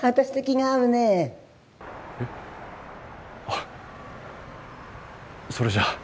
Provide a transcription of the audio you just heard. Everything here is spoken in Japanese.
あっそれじゃあ。